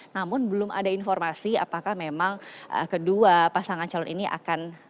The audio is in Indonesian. namun belum ada informasi apakah memang kedua pasangan calon ini akan